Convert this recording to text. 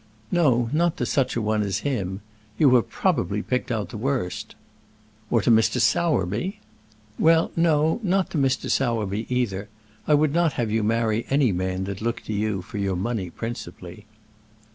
"No, not to such an one as him; you have probably picked out the worst." "Or to Mr. Sowerby?" "Well, no; not to Mr. Sowerby, either. I would not have you marry any man that looked to you for your money principally."